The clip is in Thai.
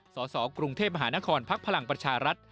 สสกรุงเทพมหานครพักพลังประชารัฐ